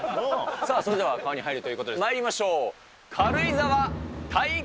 さあ、それでは川に入るということで、まいりましょう。